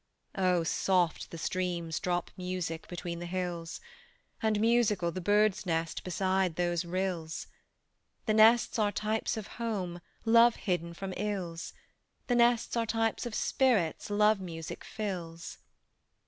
O, soft the streams drop music Between the hills, And musical the birds' nests Beside those rills: The nests are types of home Love hidden from ills, The nests are types of spirits Love music fills.